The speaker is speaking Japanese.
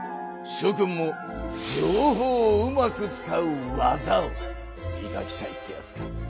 しょ君も情報をうまく使う技をみがきたいってやつか？